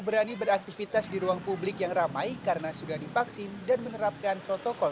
berani beraktivitas di ruang publik yang ramai karena sudah divaksin dan menerapkan protokol